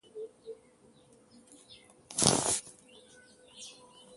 Nat anay ənta bəza yaŋ ham.